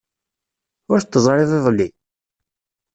Ur t-teẓriḍ iḍelli?